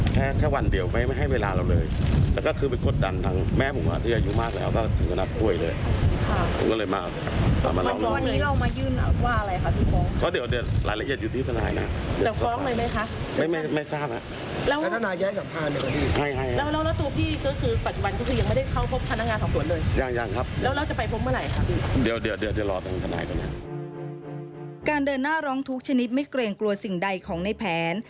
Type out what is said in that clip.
เดินหน้าร้องทุกชนิดไม่เกรงกลัวสิ่งใดของในแผน